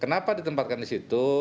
kenapa ditempatkan di situ